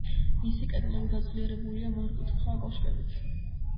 მისი კედლები გაძლიერებულია მართკუთხა კოშკებით.